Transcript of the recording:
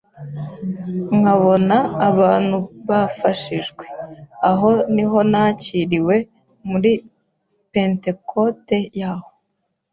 nkabona abantu bafashijwe, aho niho nakiriwe muri Pentecote y’aho,